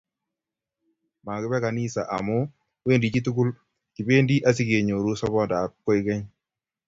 Makibe kanisa amu wendi chitukul, kibendi asikenyoru sobondop koikeny